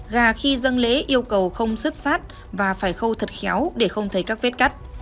gà khi dâng lễ yêu cầu không xuất sát và phải khâu thật khéo để không thấy các vết cắt